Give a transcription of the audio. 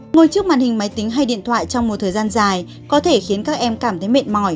ngồi trước màn hình máy tính hay điện thoại trong một thời gian dài có thể khiến các em cảm thấy mệt mỏi